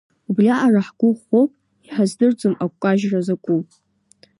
Убриаҟара ҳгәы ӷәӷәоуп, иҳаздырӡом агәкажьра закәу.